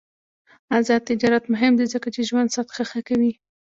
آزاد تجارت مهم دی ځکه چې ژوند سطح ښه کوي.